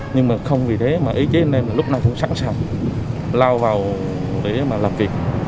nhưng không vì thế mà ý chế anh em lúc nào cũng sẵn sàng lao vào để làm việc